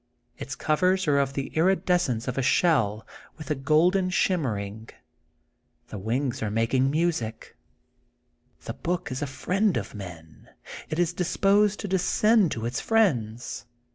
Its covers are of the iridescence of a shell, with a golden shimmering. The wings are music making. The book is a friend of men. It is disposed to descend to its friends.